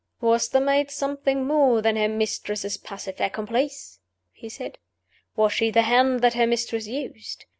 "Was the maid something more than her mistress's passive accomplice?" he said. "Was she the Hand that her mistress used?